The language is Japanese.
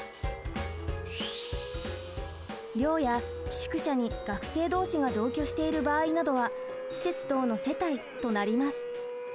寮や寄宿舎に学生同士が同居している場合などは施設等の世帯となります。